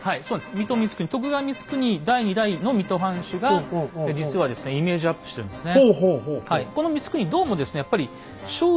水戸光圀徳川光圀第２代の水戸藩主が実はですねイメージアップしてるんですね。